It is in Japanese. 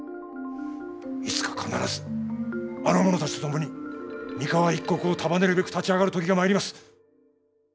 いつか必ずあの者たちと共に三河一国を束ねるべく立ち上がる時が参ります！